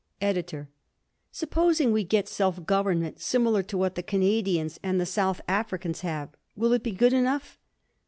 EDITOR: Supposing we get self government similar to what the Canadians and the South Africans have, will it be good enough?